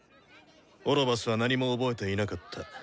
オロバスは何も覚えていなかった。